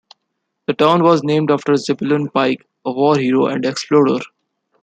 The town was named after Zebulon Pike, a war hero and explorer.